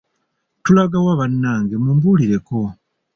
Tulaga wa bannange mumbuulireko.